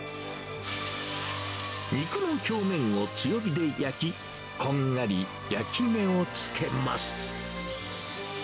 肉の表面を強火で焼き、こんがり焼き目をつけます。